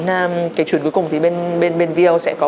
cái chuyến cuối cùng thì bên vio sẽ có